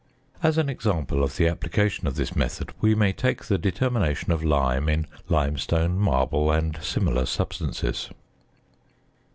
As an example of the application of this method, we may take the determination of lime in limestone, marble, and similar substances.